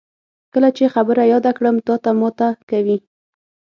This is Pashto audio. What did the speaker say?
کله چې خبره یاده کړم، تاته ماته کوي.